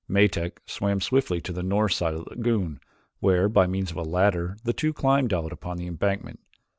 Metak swam swiftly to the north side of the lagoon where, by means of a ladder, the two climbed out upon the embankment.